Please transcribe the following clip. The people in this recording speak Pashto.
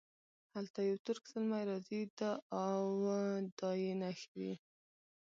هلته یو ترک زلمی راځي دا او دا یې نښې دي.